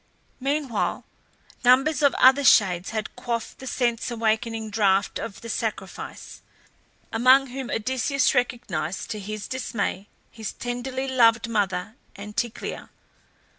Meanwhile numbers of other shades had quaffed the sense awakening draught of the sacrifice, among whom Odysseus recognized to his dismay his tenderly loved mother Anticlea.